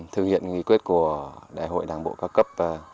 thực hiện nghị quyết của đại hội đảng bộ cao cấp